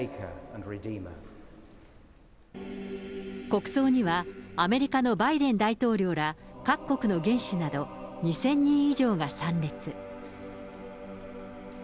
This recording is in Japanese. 国葬には、アメリカのバイデン大統領ら各国の元首など２０００人以上が参列。